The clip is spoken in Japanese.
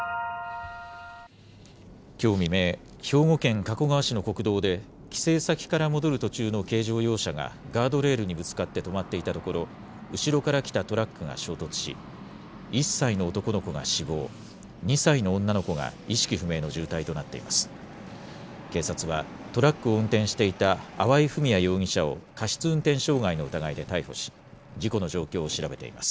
きょう未明、兵庫県加古川市の国道で、帰省先から戻る途中の軽乗用車がガードレールにぶつかって止まっていたところ、後ろから来たトラックが衝突し、１歳の男の子が死亡、２歳の女の子が意識不明の重体となっています。